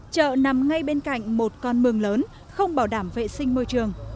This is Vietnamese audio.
chợ nằm ngay bên cạnh một con mương lớn không bảo đảm vệ sinh môi trường